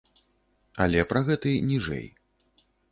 Але пра гэты ніжэй.